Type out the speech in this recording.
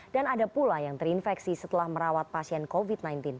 dan ada pula yang terinfeksi setelah merawat pasien covid sembilan belas